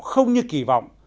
không như kỳ vọng